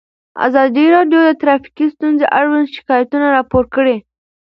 ازادي راډیو د ټرافیکي ستونزې اړوند شکایتونه راپور کړي.